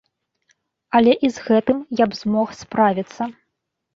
Але і з гэтым я б змог справіцца.